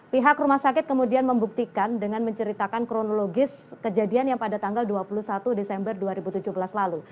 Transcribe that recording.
pihak rumah sakit kemudian membuktikan dengan menceritakan kronologis kejadian yang pada tanggal dua puluh satu desember dua ribu tujuh belas lalu